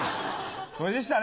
それでしたね。